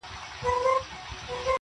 زړه د اسیا ومه ثاني جنت وم,